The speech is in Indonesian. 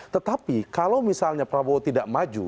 tetapi kalau misalnya prabowo tidak maju